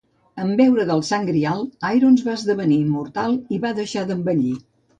En beure del Sant Grial, Irons va esdevenir immortal i va deixar d'envellir.